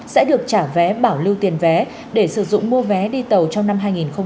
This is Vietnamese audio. sẽ được trả vé bảo lưu tiền vé để sử dụng mua vé đi tàu trong năm hai nghìn hai mươi